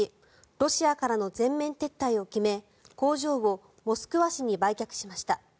ロシアからの全面撤退を決め工場をモスクワ市に売却しました。